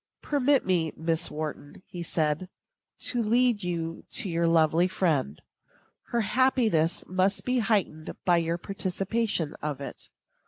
"Permit me, Miss Wharton," said he, "to lead you to your lovely friend; her happiness must be heightened by your participation of it."